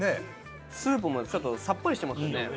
スープもちょっとさっぱりしてますよね。